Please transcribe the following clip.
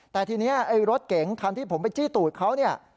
แต่ทีนี้รถเก่งครั้งที่ผมไปจี้ตูดเขา